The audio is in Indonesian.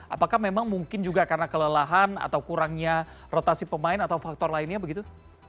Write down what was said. apakah memang mungkin juga karena kelelahan atau kurangnya rotasi pemain atau faktor lainnya begitu